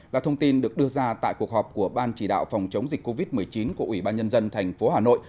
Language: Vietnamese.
là thông tin được đưa ra tại cuộc họp của ban chỉ đạo phòng chống dịch covid một mươi chín của ủy ban nhân dân tp hà nội